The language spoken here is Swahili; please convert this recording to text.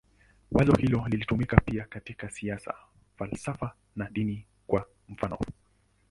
Wazo hilo linatumika pia katika siasa, falsafa na dini, kwa mfanof.